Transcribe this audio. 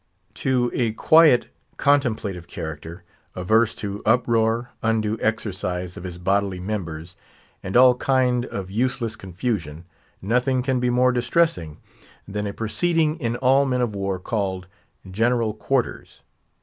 To a quiet, contemplative character, averse to uproar, undue exercise of his bodily members, and all kind of useless confusion, nothing can be more distressing than a proceeding in all men of war called "general quarters."